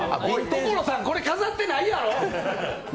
所さん、これ飾ってないやろ！